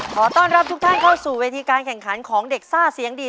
ขอต้อนรับทุกท่านเข้าสู่เวทีการแข่งขันของเด็กซ่าเสียงดี